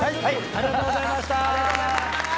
ありがとうございます。